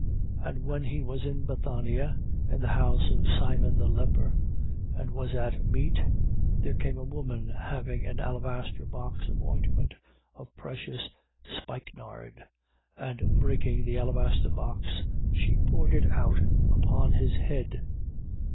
14:3. And when he was in Bethania, in the house of Simon the leper, and was at meat, there came a woman having an alabaster box of ointment of precious spikenard. And breaking the alabaster box, she poured it out upon his head.